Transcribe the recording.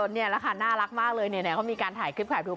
นี่แหละค่ะน่ารักมากเลยเนี่ยเขามีการถ่ายคลิปถ่ายรูป